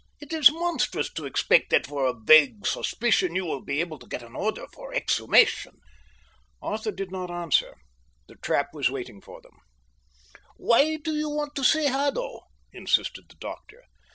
It is monstrous to expect that for a vague suspicion you will be able to get an order for exhumation." Arthur did not answer. The trap was waiting for them. "Why do you want to see Haddo?" insisted the doctor.